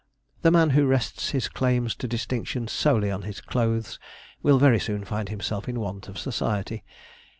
The man who rests his claims to distinction solely on his clothes will very soon find himself in want of society.